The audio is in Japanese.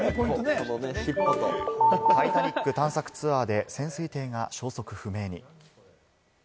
タイタニック探索ツアーで潜水艇が消息不明に。